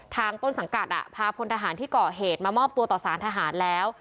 ต้นสังกัดพาพลทหารที่เกาะเหตุมามอบตัวต่อสารทหารแล้ว